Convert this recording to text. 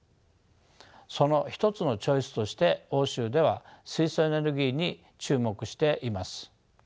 その一つのチョイスとして欧州では水素エネルギーに注目しています。